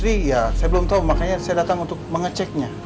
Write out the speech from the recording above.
iya saya belum tahu makanya saya datang untuk mengeceknya